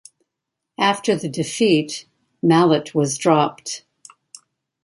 After the defeat, Mallett was dropped.